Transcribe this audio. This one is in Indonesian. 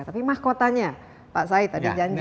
tapi mahkotanya pak said ada janji